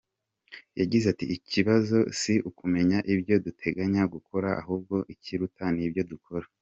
Yagize ati “Ikibazo si ukumenya ibyo duteganya gukora ahubwo ikiruta ni ibyo dukora.